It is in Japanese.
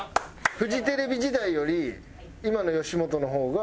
フジテレビ時代より今の吉本の方が。